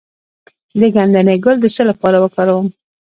د ګندنه ګل د څه لپاره وکاروم؟